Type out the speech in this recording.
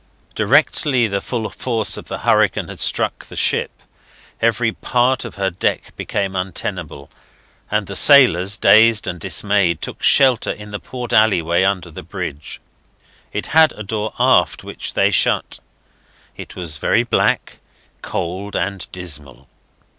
Directly the full force of the hurricane had struck the ship, every part of her deck became untenable; and the sailors, dazed and dismayed, took shelter in the port alleyway under the bridge. It had a door aft, which they shut; it was very black, cold, and dismal.